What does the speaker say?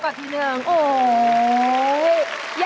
กอดทีหนึ่งโอ้โฮ